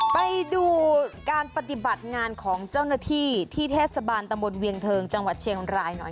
ไปดูการปฏิบัติงานของเจ้าหน้าที่ที่เทศบาลตะมนต์เวียงเทิงจังหวัดเชียงรายหน่อย